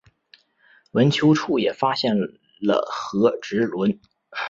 坟丘处也发现了和埴轮。